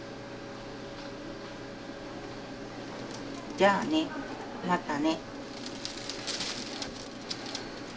じゃあねまたね。